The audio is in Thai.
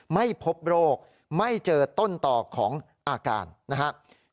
ไม่พบโรคไม่เจอต้นต่อของอาการนะครับ